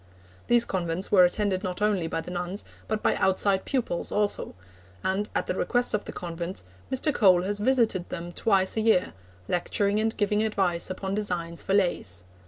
These convents were attended not only by the nuns but by outside pupils also; and, at the request of the convents, Mr. Cole has visited them twice a year, lecturing and giving advice upon designs for lace.